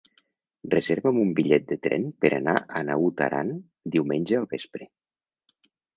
Reserva'm un bitllet de tren per anar a Naut Aran diumenge al vespre.